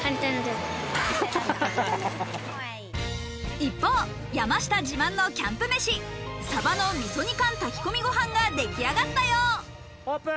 一方、山下自慢のキャンプ飯、鯖の味噌煮缶炊き込みご飯が出来上がったよう。